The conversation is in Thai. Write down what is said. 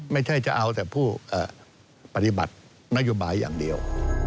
ไม่ใช่จะเอาแต่ผู้ปฏิบัตินโยบายอย่างเดียว